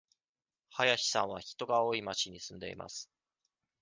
林さんは人が多い町に住んでいます。